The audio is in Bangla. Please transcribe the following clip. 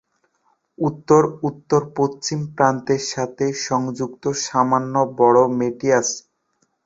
উত্তর-উত্তরপশ্চিম প্রান্তের সাথে সংযুক্ত সামান্য বড় মেটিয়াস।